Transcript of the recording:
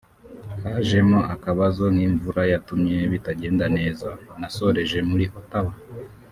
hajemo akabazo k’imvura yatumye bitagenda neza […] Nasoreje muri Ottawa